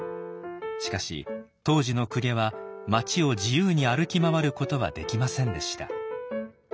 しかし当時の公家は町を自由に歩き回ることはできませんでした。